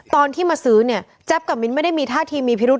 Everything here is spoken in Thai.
ตอนที่มาซื้อเนี่ยแจ๊บกับมิ้นไม่ได้มีท่าทีมีพิรุธ